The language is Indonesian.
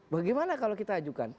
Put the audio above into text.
bagaimana kalau kita ajukan